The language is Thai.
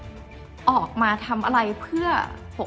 จนดิวไม่แน่ใจว่าความรักที่ดิวได้รักมันคืออะไร